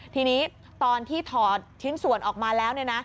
ทีนี้ตอนที่ถอดชิ้นส่วนออกมาแล้ว